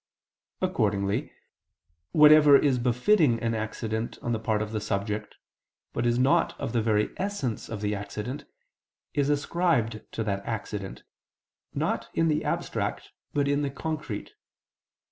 Accordingly whatever is befitting an accident on the part of the subject, but is not of the very essence of the accident, is ascribed to that accident, not in the abstract, but in the concrete.